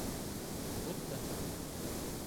будто